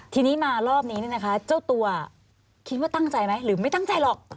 ทีนี้มารอบนี้นะคะเจ้าตัวคิดว่าตั้งใจไหมหรือไม่ตั้งใจหรอก